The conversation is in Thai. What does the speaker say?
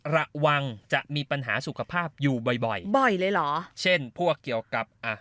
ระวังจะมีปัญหาสุขภาพอยู่บ่อยบ่อยบ่อยเลยเหรอเช่นพวกเกี่ยวกับอ่ะ